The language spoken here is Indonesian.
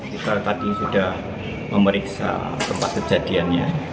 kita tadi sudah memeriksa tempat kejadiannya